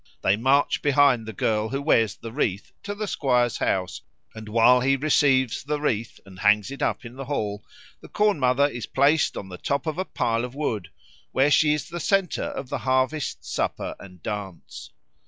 They march behind the girl who wears the wreath to the squire's house, and while he receives the wreath and hangs it up in the hall, the Corn mother is placed on the top of a pile of wood, where she is the centre of the harvest supper and dance.